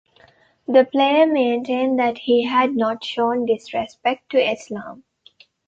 The player maintained that he had not shown disrespect to Islam.